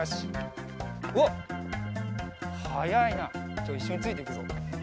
じゃあいっしょについていくぞ。